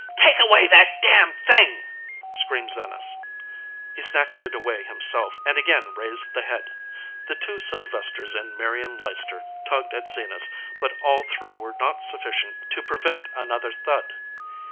"Take away that damned thing!" screamed Zenas. He snatched it away himself, and again raised the head. The two Sylvesters and Marion Leices ter tugged at Zenas, but all three were not sufficient to prevent another thud.